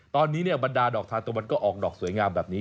ตอนนี้บรรดาดอกทานตะวันก็ออกดอกสวยงามแบบนี้